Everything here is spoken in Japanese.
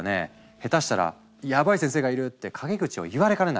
ヘタしたら「ヤバイ先生がいる」って陰口を言われかねない。